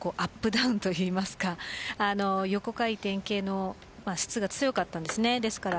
ダウンといいますか横回転系の質が強かったんですね。